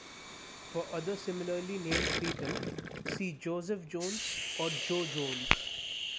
"For other similarly named people, see Joseph Jones or Joe Jones".